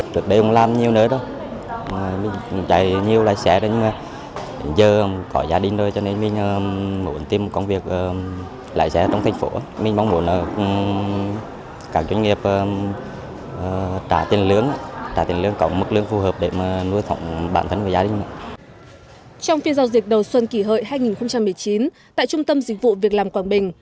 trong phiên giao dịch đầu xuân kỷ hợi hai nghìn một mươi chín tại trung tâm dịch vụ việc làm quảng bình